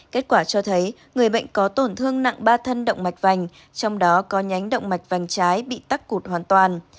kết quả cho thấy người bệnh có tổn thương nặng ba thân động mạch vành trong đó có nhánh động mạch vành trái bị tắc cụt hoàn toàn